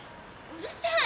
うるさい！